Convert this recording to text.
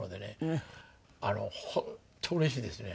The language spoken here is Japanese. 本当うれしいですね。